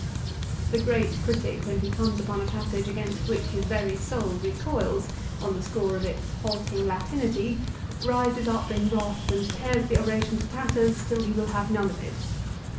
The great critic when he comes upon a passage against which his very soul recoils, on the score of its halting Latinity, rises up in his wrath and tears the oration to tatters, till he will have none of it.